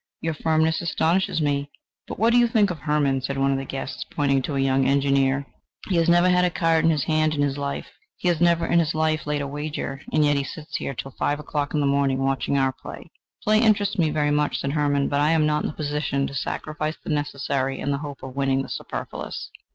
Your firmness astonishes me." "But what do you think of Hermann?" said one of the guests, pointing to a young Engineer: "he has never had a card in his hand in his life, he has never in his life laid a wager, and yet he sits here till five o'clock in the morning watching our play." "Play interests me very much," said Hermann: "but I am not in the position to sacrifice the necessary in the hope of winning the superfluous."